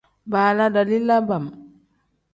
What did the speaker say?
Baala dalila bam.